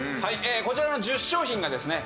こちらの１０商品がですね